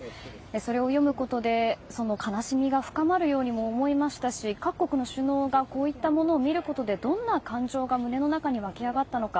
それを読むことでその悲しみが深まるようにも思いましたし、各国の首脳がこういったものを見ることでどんな感情が胸の中に湧き上がったのか。